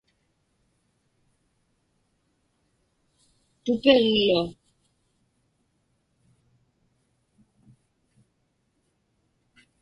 tupiġḷu